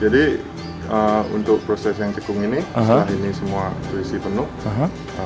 jadi untuk proses yang cekung ini setelah ini semua diisi penuh